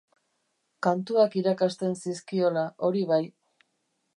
Kantuak irakasten zizkiola, hori bai.